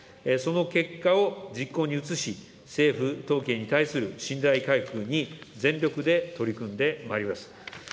その結果を実行に移し、政府統計に対する信頼回復に全力で取り組んでまいります。